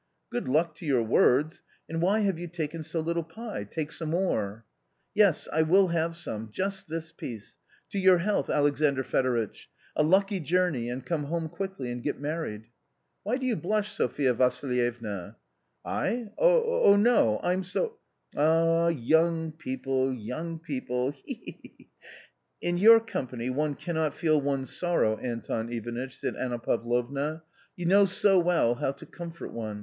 " Good luck to your words ! And why have you taken so little pie ? Take some more." " Yes, I will have some ; just this piece. To your health, Alexandr Fedoritch ! A lucky journey, and come home quickly and get married ! Why do you blush, Sophia Vassilievna ?"" I ?— oh, no. I'm so "" Ah, young people, young people — he ! he ! he !"" In your company one cannot feel one's sorrow, Anton Ivanitch," said Anna Pavlovna, " you know so well how to comfort one.